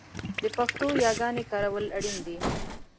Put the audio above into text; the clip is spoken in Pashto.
د پښتو یاګانې کارول اړین دي